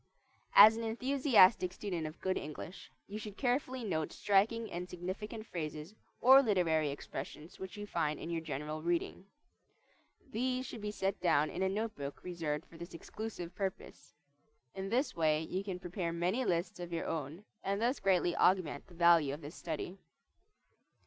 As an enthusiastic student of good English, you should carefully note striking and significant phrases or literary expressions which you find in your general reading. These should be set down in a note book reserved for this exclusive purpose. In this way you can prepare many lists of your own, and thus greatly augment the value of this study.